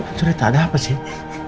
itu cerita ada apa sih